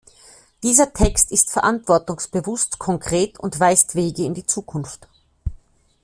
Dieser Text ist verantwortungsbewusst, konkret und weist Wege in die Zukunft.